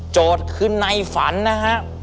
โจทย์คือในฝันนะฮะ